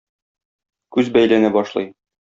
Күз бәйләнә башлый.